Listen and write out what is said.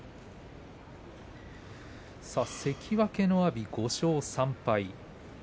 関脇の阿炎、５勝３敗。